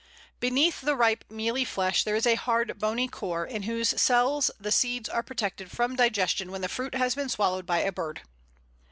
Beneath the ripe mealy flesh there is a hard bony core, in whose cells the seeds are protected from digestion when the fruit has been swallowed by a bird.